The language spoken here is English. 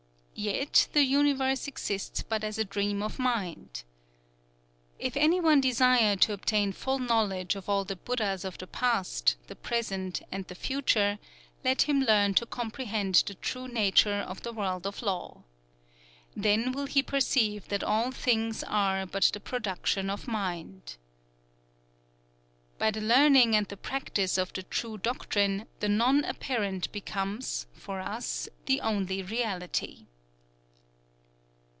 Yet the universe exists but as a dream of Mind: "_If any one desire to obtain full knowledge of all the Buddhas of the past, the present, and the future, let him learn to comprehend the true nature of the World of Law. Then will he perceive that all things are but the production of Mind._" "_By the learning and the practice of the True Doctrine, the Non Apparent becomes [for us] the only Reality.